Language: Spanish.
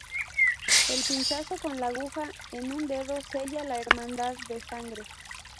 El pinchazo con la aguja en un dedo sella la hermandad de sangre.